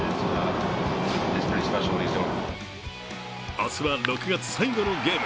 明日は、６月最後のゲーム。